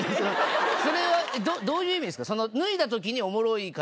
それはどういう意味ですか？